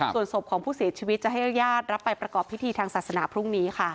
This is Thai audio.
ส่วนศพของผู้เสียชีวิตจะให้ญาติรับไปประกอบพิธีทางศาสนาพรุ่งนี้ค่ะ